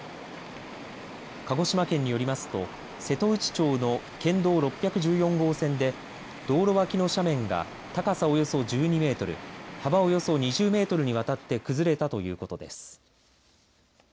鹿児島県によりますと瀬戸内町の県道６１４号線で道路脇の斜面が高さおよそ１２メートル幅およそ２０メートルにわたって崩れたということです。